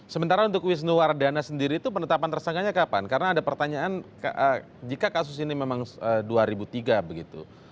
sementara untuk wisnu wardana sendiri itu penetapan tersangkanya kapan karena ada pertanyaan jika kasus ini memang dua ribu tiga begitu